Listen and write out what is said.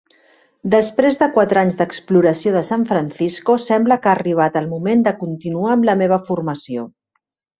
Després de quatre anys d'exploració de San Francisco, sembla que ha arribat el moment de continuar amb la meva formació.